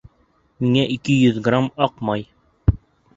Миңә ике йөҙ грамм аҡ май